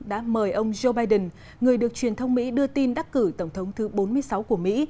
đã mời ông joe biden người được truyền thông mỹ đưa tin đắc cử tổng thống thứ bốn mươi sáu của mỹ